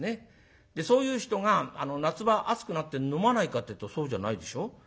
そういう人が夏場暑くなって飲まないかっていうとそうじゃないでしょ。